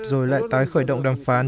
rồi lại tái khởi động đàm phán